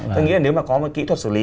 tôi nghĩ là nếu mà có một kỹ thuật xử lý